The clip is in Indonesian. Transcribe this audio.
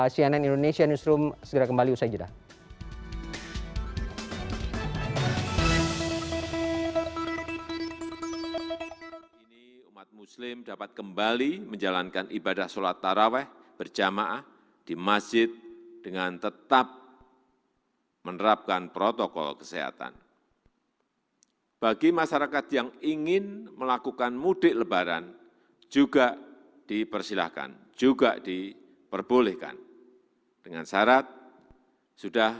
cnn indonesia newsroom segera kembali usai judah